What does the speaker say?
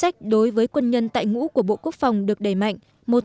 chế độ chính sách đối với quân nhân tại ngũ của bộ quốc phòng được đẩy mạnh